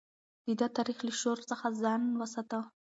ده د تاريخ له شور څخه ځان وساته.